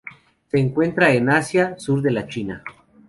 Se encuentran en Asia: sur de la China.